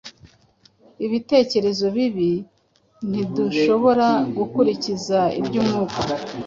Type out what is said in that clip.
ibitekerezo bibi, ntidushobora gukurikiza iby’Umwuka.